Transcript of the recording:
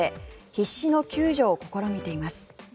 必死の救助を試みています。